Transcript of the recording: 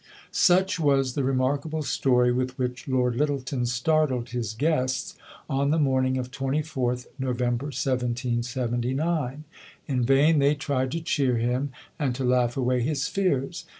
'" Such was the remarkable story with which Lord Lyttelton startled his guests on the morning of 24th November 1779. In vain they tried to cheer him, and to laugh away his fears.